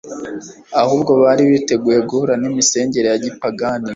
ahubwo bari biteguye guhura n'imisengere ya gipagani.